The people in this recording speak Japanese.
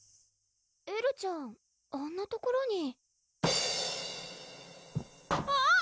エルちゃんあんな所にあぁっ！